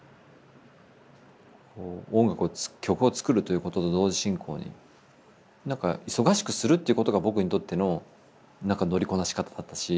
音楽を曲を作るということと同時進行になんか忙しくするっていうことが僕にとっての乗りこなし方だったし。